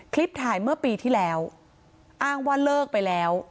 คลิปถ่ายเมื่อปีที่แล้วอ้างว่าเลิกไปแล้ว